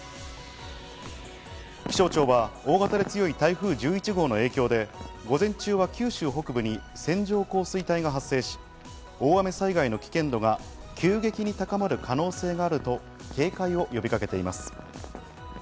気象庁は大型で強い台風１１号の影響で午前中は九州北部に線状降水帯が発生し、大雨災害の危険度が急激に高まる可能性があると警戒を呼びかけています。